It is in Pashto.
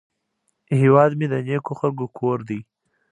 هیواد مې د نیکو خلکو کور دی